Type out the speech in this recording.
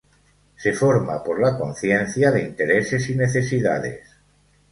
Se forma por la conciencia de intereses y necesidades.